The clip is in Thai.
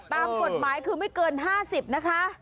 ตามกฎหมายคือไม่เกิน๕๐นะคะ